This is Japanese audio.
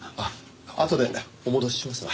あとでお戻ししますので。